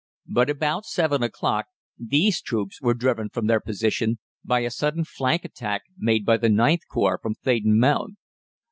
But about seven o'clock these troops were driven from their position by a sudden flank attack made by the IXth Corps from Theydon Mount.